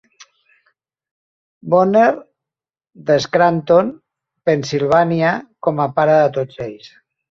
Bonnert de Scranton, Pennsilvània com a pare de tots ells.